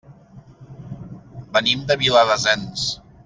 Venim de Viladasens.